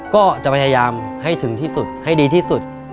ก็จะพยายามให้ถึงที่สุดให้ดีที่สุด